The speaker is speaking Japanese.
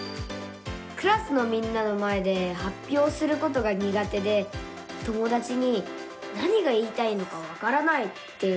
クラスのみんなの前ではっぴょうすることがにが手で友だちに「何が言いたいのかわからない」って言われちゃうんです。